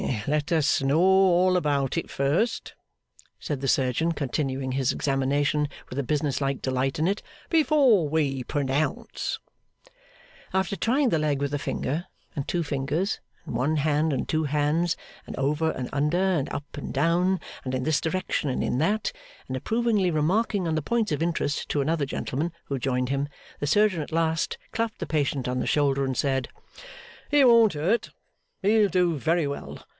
'Let us know all about it first,' said the surgeon, continuing his examination with a businesslike delight in it, 'before we pronounce.' After trying the leg with a finger, and two fingers, and one hand and two hands, and over and under, and up and down, and in this direction and in that, and approvingly remarking on the points of interest to another gentleman who joined him, the surgeon at last clapped the patient on the shoulder, and said, 'He won't hurt. He'll do very well.